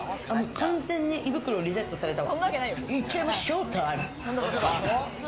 完全に胃袋、リセットされたわ。